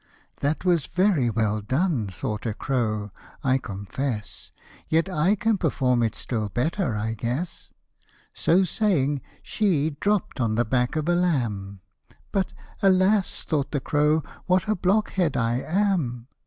" That was very well done," thought a cro ," I confess ; Yet I can perform it still better, I guess :" So saying, she dropt on the back of a lamb, But " alas !" thought the crow, " what a blockhead I am!"